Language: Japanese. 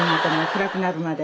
暗くなるまで。